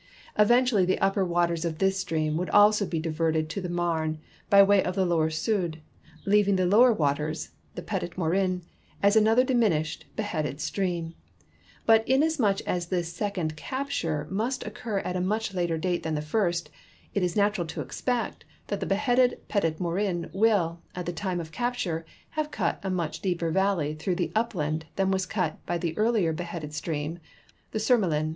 Eventually the upper waters of this stream would also be diverted to the Marne by the way 200 THE SEINE, THE MEUSE, AND THE MOSELLE of the lower Soucle, leaving the lower waters (the Petit Morin) as another diminished, beheaded stream ; hut inasmuch as this second capture must occur at a much later date than the first, it is natural to expect that the beheaded Petit Morin will, at the time of capture, have cut a much deeper valley through the up land than was cut by the earlier beheaded stream, the Surmelin.